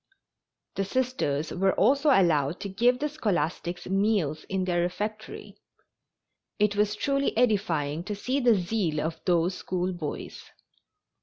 The Sisters were also allowed to give the scholastics meals in their refectory. It was truly edifying to see the zeal of those school boys.